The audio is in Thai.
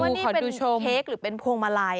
มันเป็นเค้กหรือเป็นพวงมาลัย